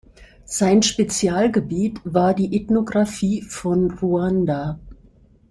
Sein Spezialgebiet war die Ethnographie von Ruanda.